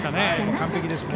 完璧ですね。